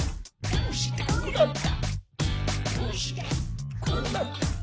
どうしてこうなった？」